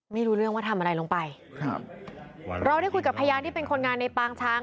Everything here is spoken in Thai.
ไม่รู้เรื่องว่าทำอะไรลงไปครับเราได้คุยกับพยานที่เป็นคนงานในปางช้าง